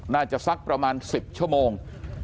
น่าจะสักประมาณ๑๐ชั่วโมง